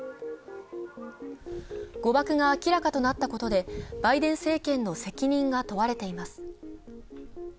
誤爆が明らかとなったことでバイデン政権の責任が問われています。